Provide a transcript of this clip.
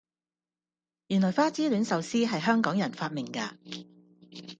原來花之戀壽司係香港人發明架